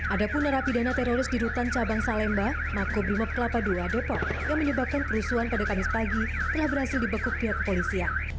ada pun narapidana teroris di rutan cabang salemba makobrimob kelapa ii depok yang menyebabkan kerusuhan pada kamis pagi telah berhasil dibekuk pihak kepolisian